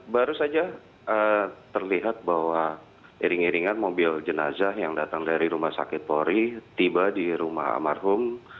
baru saja terlihat bahwa iring iringan mobil jenazah yang datang dari rumah sakit polri tiba di rumah almarhum